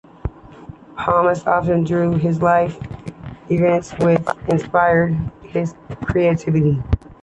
Pomus often drew on life events which inspired his creativity.